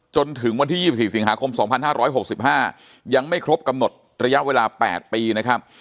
จนถึงวันที่๒๔สิงหาคม๒๕๖๕ยังไม่ครบกำหนดระยะเวลา๘ปีนะครับ